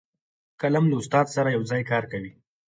قلم له استاد سره یو ځای کار کوي